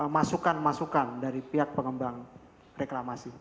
masukan masukan dari pihak pengembang reklamasi